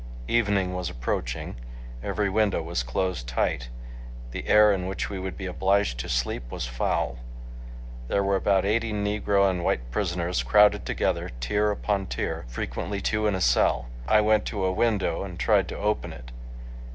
Evening was approaching, every window was closed tight. The air in which we would be obliged to sleep was foul. There were about eighty negro and white prisoners crowded together, tier upon tier, frequently two in a cell. I went to a window and tried to open it.